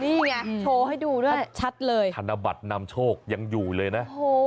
นี่ไงโชว์ให้ดูด้วยชัดเลยธนบัตรนำโชคยังอยู่เลยนะโอ้โห